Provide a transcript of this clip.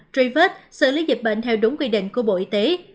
truy vết xử lý dịch bệnh theo đúng quy định của bộ y tế